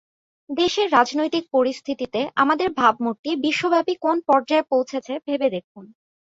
দেশের রাজনৈতিক পরিস্থিতিতে আমাদের ভাবমূর্তি বিশ্বব্যাপী কোন পর্যায়ে পৌঁছেছে ভেবে দেখুন।